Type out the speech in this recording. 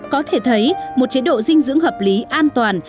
có thể thấy một chế độ dinh dưỡng hợp lý an toàn